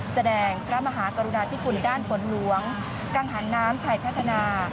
พระมหากรุณาธิคุณด้านฝนหลวงกังหันน้ำชัยพัฒนา